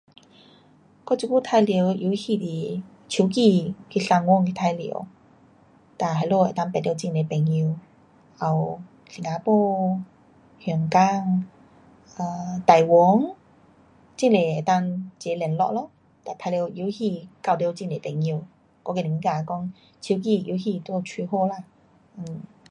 我这久玩耍的游戏是手机，去上网去玩耍。哒那里能够识到很多朋友。也有新加坡，香港，um 台湾，很多那个齐联络咯。玩耍游戏，交到很多朋友，我自觉得讲手机游戏做蛮好啦。